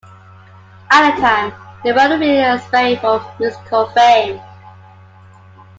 At the time, they weren't really aspiring for musical fame.